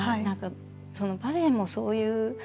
何かバレエもそういう。